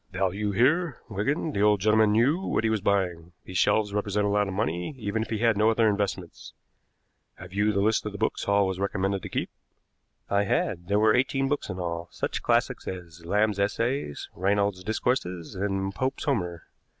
"Value here, Wigan. The old gentleman knew what he was buying. These shelves represent a lot of money, even if he had no other investments. Have you the list of the books Hall was recommended to keep?" I had. There were eighteen books in all, such classics as "Lamb's Essays," "Reynold's Discourses," and "Pope's Homer."